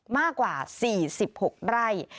มากกว่า๔๖ไร่